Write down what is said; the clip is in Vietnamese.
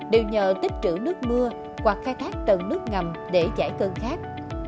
đều nhờ tích trữ nước mưa hoặc khai thác tầng nước ngầm để giải cơn khác